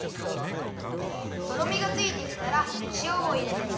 とろみがついてきたらしおをいれてまぜます。